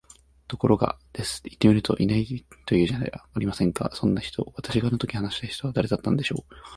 ところが、です。行ってみると居ないと言うじゃありませんか、そんな人。私があの時話していた人、誰だったんでしょう？